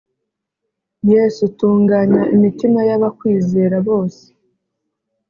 Yesu tunganya imitima y’abakwizera bose